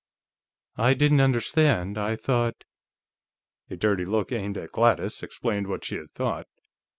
"I didn't understand ... I thought...." A dirty look, aimed at Gladys, explained what she had thought.